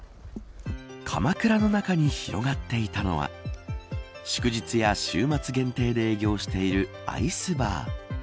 かまくらの中に広がっていたのは祝日や週末限定で営業しているアイスバー。